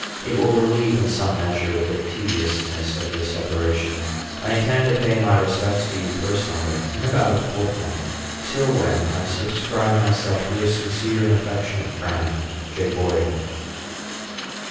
It will relieve, in some measure, the tediousness of this separation. I intend to pay my respects to you personally in about a fortnight; till when I subscribe myself your sincere and affectionate friend, J. BOYER.